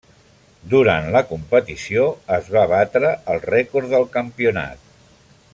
Durant la competició, es va batre el rècord del Campionat.